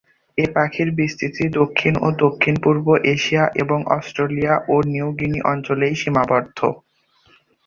এ পাখির বিস্তৃতি দক্ষিণ ও দক্ষিণ-পূর্ব এশিয়া এবং অস্ট্রেলিয়া ও নিউগিনি অঞ্চলেই সীমাবদ্ধ।